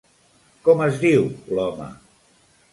Com es diu l'home?